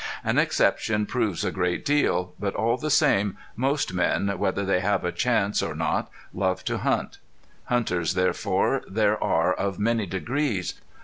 An exception proves a great deal, but all the same most men, whether they have a chance or not, love to hunt. Hunters, therefore, there are of many degrees.